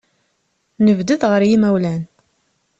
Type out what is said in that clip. Nebded ɣer yimawlan.